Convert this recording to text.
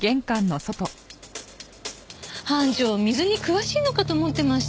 班長水に詳しいのかと思ってました。